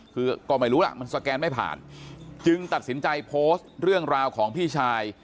คือก็ไม่รู้ล่ะมันสแกนไม่ผ่านจึงตัดสินใจโพสต์เรื่องราวของพี่ชาย